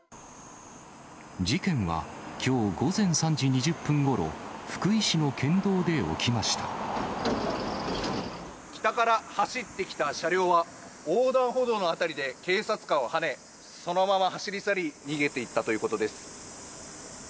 事件はきょう午前３時２０分ごろ、北から走ってきた車両は、横断歩道の辺りで警察官をはね、そのまま走り去り、逃げていったということです。